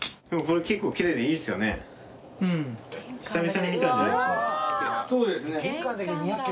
でも結構きれいでいいですよね。